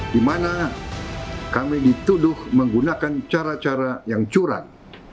di mana kami dituduh menggunakan cara cara yang curang